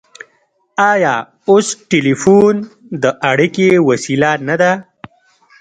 آیا اوس ټیلیفون د اړیکې وسیله نه ده؟